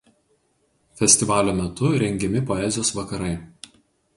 Festivalio metu rengiami poezijos vakarai.